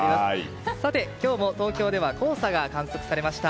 さて、今日も東京では黄砂が観測されました。